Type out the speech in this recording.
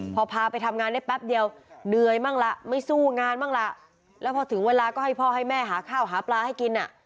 พอพาไปทำงานได้แป๊บเดียวเหนื่อยบ้างล่ะไม่สู้งานบ้างล่ะแล้วพอถึงเวลาก็ให้พ่อให้แม่หาข้าวหาปลาให้กินอ่ะ